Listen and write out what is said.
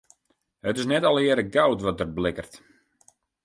It is net allegearre goud wat der blikkert.